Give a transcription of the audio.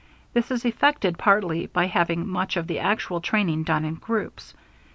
This is effected partly by having much of the actual training done in groups.